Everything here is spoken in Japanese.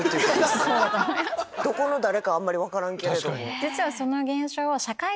どこの誰かあんまり分からんけれども。